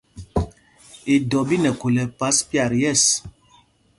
Idɔ ɓí nɛ khul ɛpas pyat yɛ̂ɛs.